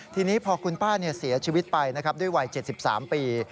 ทีนี้พอคุณป้าเสียชีวิตไปนะครับด้วยวัย๗๓ปี